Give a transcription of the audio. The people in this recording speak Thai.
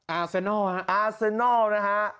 อาร์เซนอลครับครับอาร์เซนอลนะครับ